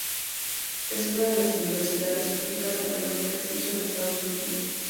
Es una de las universidades públicas de mayor prestigio en Estados Unidos.